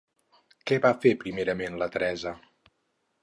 Què va fer primerament la Teresa?